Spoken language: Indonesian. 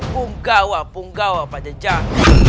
punggawa punggawa pada jalan